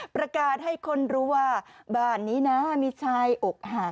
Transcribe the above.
ประกาศให้คนรู้ว่าบ้านนี้นะมีชายอกหัก